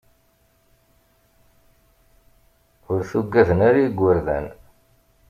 Ur t-ugaden ara igerdan.